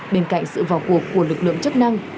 bên cạnh sự vào cuộc của lực lượng chức năng